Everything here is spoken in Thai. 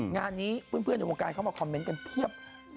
งานนี้เพื่อนในวงการเข้ามาคอมเมนต์กันเพียบ